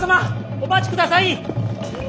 お待ちください！